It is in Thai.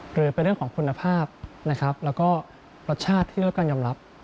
หรือเป็นเรื่องของคุณภาพและก็รสชาติที่เราก้ายงอมรับ